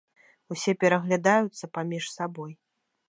Усе пераглядаюцца паміж сабой.